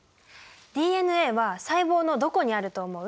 ＤＮＡは細胞のどこにあると思う？